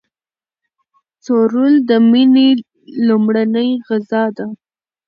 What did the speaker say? ځورول د میني لومړنۍ غذا ده.